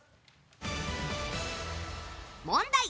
問題！